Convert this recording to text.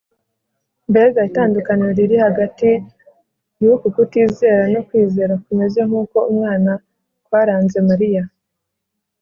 . Mbega itandukaniro riri hagati y’uku kutizera no kwizera kumeze nk’uko umwana kwaranze Mariya